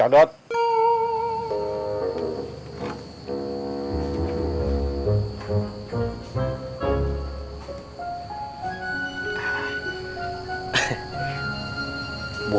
ada yang pasti